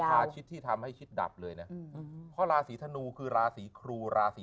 อาทิตย์ที่ทำให้คิดดับเลยนะเพราะราศีธนูคือราศีครูราศี